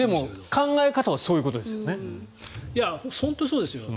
考え方はそういうことですよね。